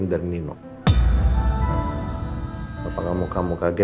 insya allah ngorong beg beg aja